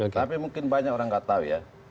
tapi mungkin banyak orang nggak tahu ya